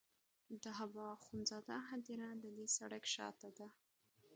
د حبو اخند زاده هدیره د دې سړک شاته ده.